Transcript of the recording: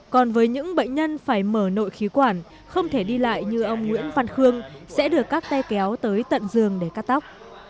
còn với những bệnh nhân phải mở nội khí quản không thể đi lại như ông nguyễn văn khương sẽ được các tay kéo tới tận giường để cắt tóc